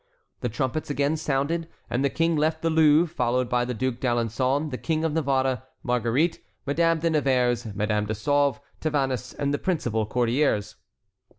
The trumpets again sounded, and the King left the Louvre followed by the Duc d'Alençon, the King of Navarre, Marguerite, Madame de Nevers, Madame de Sauve, Tavannes, and the principal courtiers.